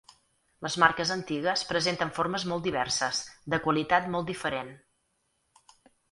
Les marques antigues presenten formes molt diverses, de qualitat molt diferent.